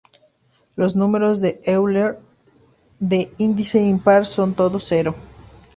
Los números de Euler de índice impar son todos cero.